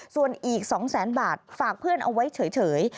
ส่วนอีก๒แสนบาทฝากเพื่อนเอาไว้เฉย